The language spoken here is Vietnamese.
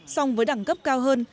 song với đẳng cấp cao hơn